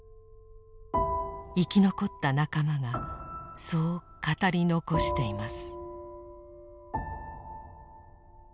生き残った仲間がそう語り残しています。